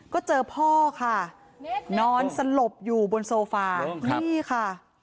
ก็เจอพ่อค่ะนอนสลบอยู่บนโซฟานี่ค่ะ